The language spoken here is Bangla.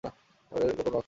বালের গোপন বাক্স!